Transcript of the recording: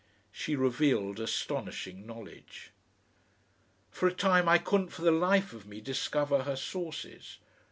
She revealed astonishing knowledge. For a time I couldn't for the life of me discover her sources.